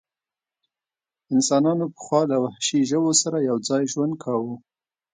انسانانو پخوا له وحشي ژوو سره یو ځای ژوند کاوه.